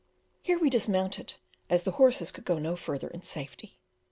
Here we dismounted, as the horses could go no further in safety.